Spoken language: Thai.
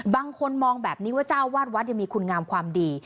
บางคนมองแบบนี้ว่าเจ้าวาดวัดยังมีคุณงามความดี